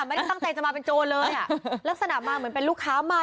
ไม่ได้ตั้งใจจะมาเป็นโจรเลยอ่ะลักษณะมาเหมือนเป็นลูกค้ามา